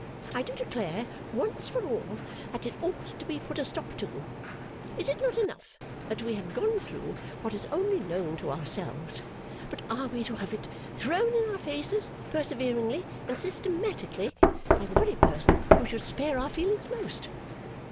I do declare once for all that it ought to be put a stop to. Is it not enough that we have gone through what is only known to ourselves, but are we to have it thrown in our faces, perseveringly and systematically, by the very person who should spare our feelings most?